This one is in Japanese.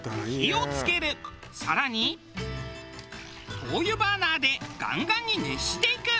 更に灯油バーナーでガンガンに熱していく。